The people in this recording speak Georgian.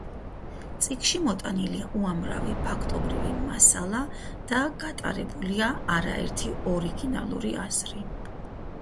წიგნში მოტანილია უამრავი ფაქტობრივი მასალა და გატარებულია არაერთი ორიგინალური აზრი.